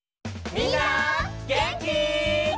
みんなげんき？